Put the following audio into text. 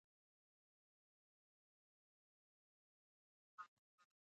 هغوی د بلشویک ګوند په راس کې وو.